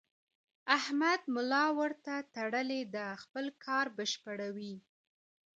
احمد ملا ورته تړلې ده؛ خپل کار بشپړوي.